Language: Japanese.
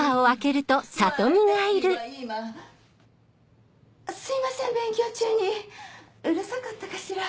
私は今すいません勉強中にうるさかったかしら？